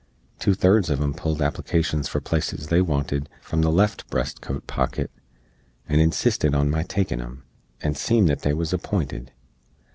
Two thirds uv em pulled applicashens for places they wanted from the left breast coat pocket, and insistid on my takin em, and seem that they was appinted.